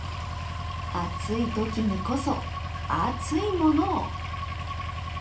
暑い時にこそ熱いものを！